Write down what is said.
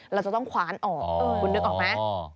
เราจะต้องคว้านออกคุณนึกออกไหม